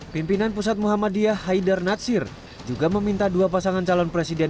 pimpinan pusat muhammadiyah haidar natsir juga meminta dua pasangan calon presiden